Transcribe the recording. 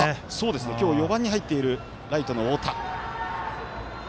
今日４番に入っているライトの太田。